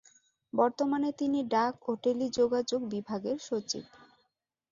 বর্তমানে তিনি ডাক ও টেলিযোগাযোগ বিভাগের সচিব।